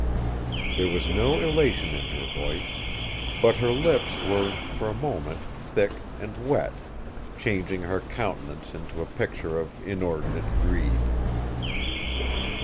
There was no elation in her voice. But her lips were, for a moment, thick and wet, changing her countenance into a picture of inordinate greed.